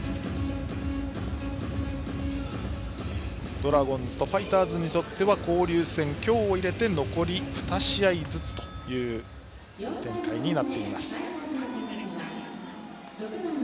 ドラゴンズとファイターズにとっては交流戦今日を入れて残り２試合ずつという展開です。